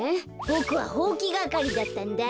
ボクはほうきがかりだったんだ。